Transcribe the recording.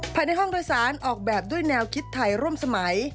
ภายในห้องโดยสารออกแบบด้วยแนวคิดไทยร่วมสมัย